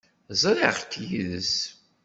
Ẓriɣ-k yid-s.